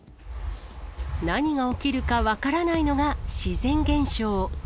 何が起きるか分からないのが自然現象。